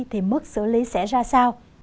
thì mức xử lý sẽ ra sao